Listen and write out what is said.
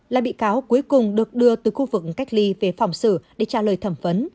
là bị cáo cuối cùng được đưa từ khu vực cách ly về phòng xử để trả lời thẩm vấn